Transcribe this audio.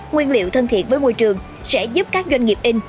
nguyên liệu thân thiện với môi trường sẽ giúp các doanh nghiệp in